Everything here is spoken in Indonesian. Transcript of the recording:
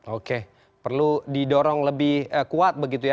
oke perlu didorong lebih kuat begitu ya